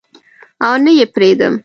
او نه یې پریدم